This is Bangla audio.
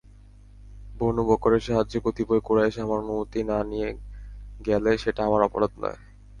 বনু বকরের সাহায্যে কতিপয় কুরাইশ আমার অনুমতি না নিয়ে গেলে সেটা আমার অপরাধ নয়।